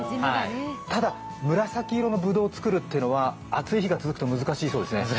ただ、紫色のぶどうを作るというのは暑い日が続くと難しいんですよね。